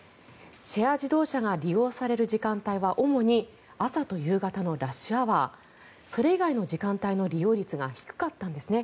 シェア自動車が利用される時間帯は主に朝と夕方のラッシュアワーそれ以外の時間帯の利用率が低かったんですね。